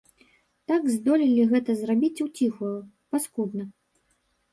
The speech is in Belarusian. Так здолелі гэта зрабіць уціхую, паскудна.